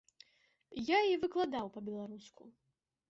Я і выкладаў па-беларуску.